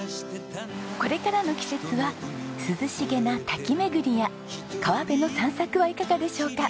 これからの季節は涼しげな滝巡りや川辺の散策はいかがでしょうか。